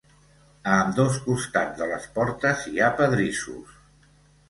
A ambdós costats de les portes hi ha pedrissos.